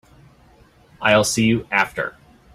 I'll see you after.